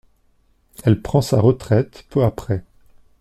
Elle prend sa retraite peu après.